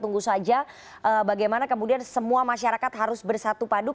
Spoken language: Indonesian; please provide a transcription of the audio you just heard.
tunggu saja bagaimana kemudian semua masyarakat harus bersatu padu